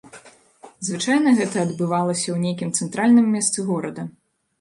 Звычайна гэта адбывалася ў нейкім цэнтральным месцы горада.